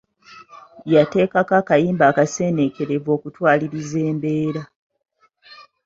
Yateekeko akayimba akaseeneekerevu okutwaliriza embeera.